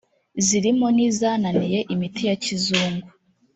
zirimo n’izananiye imiti ya kizungu